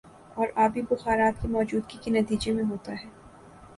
اور آبی بخارات کی موجودگی کے نتیجے میں ہوتا ہے